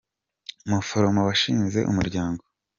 umuforomo washinze umuryango.